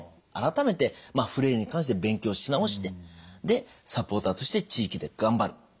改めてフレイルに関して勉強し直してでサポーターとして地域で頑張る。